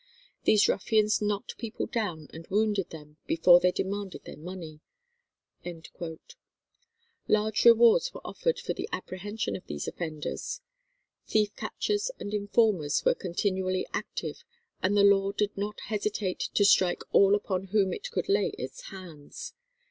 These ruffians knocked people down and wounded them before they demanded their money." Large rewards were offered for the apprehension of these offenders. Thief catchers and informers were continually active, and the law did not hesitate to strike all upon whom it could lay its hands.